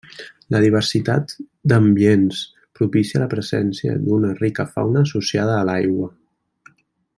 La diversitat d’ambients propicia la presència d’una rica fauna associada a l’aigua.